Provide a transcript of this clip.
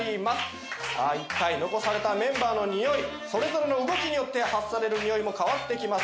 さあ一体残されたメンバーのにおいそれぞれの動きによって発されるにおいも変わってきます。